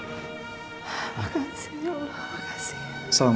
makasih ya allah